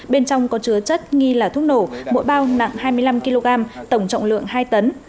bên trong có chứa chất nghi là thuốc nổ mỗi bao nặng hai mươi năm kg tổng trọng lượng hai tấn